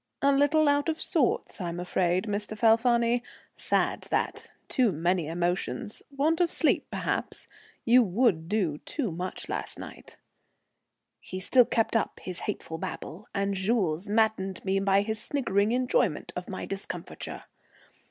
"A little out of sorts, I'm afraid, Mr. Falfani. Sad that. Too many emotions, want of sleep, perhaps. You would do too much last night." He still kept up his hateful babble, and Jules maddened me by his sniggering enjoyment of my discomfiture.